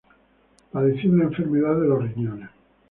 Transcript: Padeció una enfermedad de los riñones.